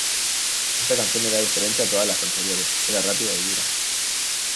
Esta canción era diferente a todas la anteriores, era rápida y dura.